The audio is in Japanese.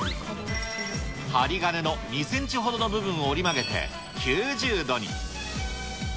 針金の２センチほどの部分を折り曲げて、９０度に。